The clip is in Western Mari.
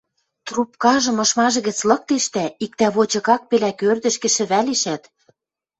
Трубкажым ышмажы гӹц лыктеш дӓ иктӓ вочыкак-пелӓк ӧрдӹжкӹ шӹвӓлешӓт: